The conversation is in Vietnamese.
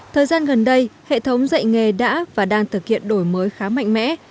thời gian gần đây hệ thống dạy nghề đã và đang thực hiện đổi mới khá mạnh mẽ